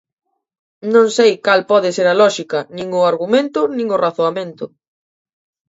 Non sei cal pode ser a lóxica, nin o argumento, nin o razoamento.